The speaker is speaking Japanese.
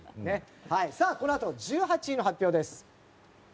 さあ、このあと１８位の発表です。